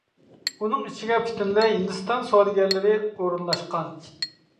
ئۇنىڭ ئىچىگە پۈتۈنلەي ھىندىستان سودىگەرلىرى ئورۇنلاشقان.